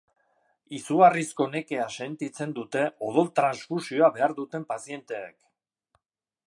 Izugarrizko nekea sentitzen dute odol-transfusioa behar duten pazienteek.